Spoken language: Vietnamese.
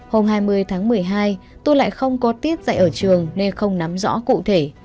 hôm hai mươi tháng một mươi hai tôi lại không có tiết dạy ở trường nên không nắm rõ cụ thể